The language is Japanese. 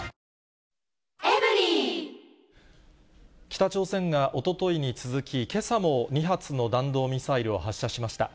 北朝鮮がおとといに続き、けさも２発の弾道ミサイルを発射しました。